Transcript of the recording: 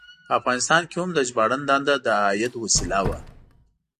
په افغانستان کې هم د ژباړن دنده د عاید وسیله وه.